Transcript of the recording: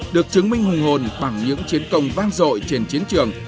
được chứng minh hùng hồn bằng những chiến công vang dội trên chiến trường